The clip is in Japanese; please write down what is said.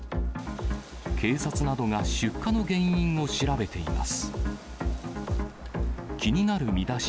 警察などが出火の原因を調べています。